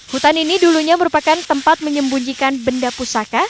hutan ini dulunya merupakan tempat menyembunyikan benda pusaka